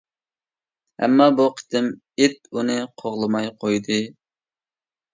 ئەمما، بۇ قېتىم ئىت ئۇنى قوغلىماي قويدى.